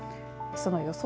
その予想